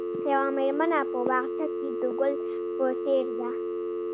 یوه مېرمنه په باغچه کې د ګل په څېر ده.